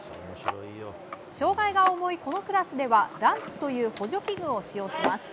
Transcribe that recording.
障害が重いこのクラスではランプという補助器具を使用します。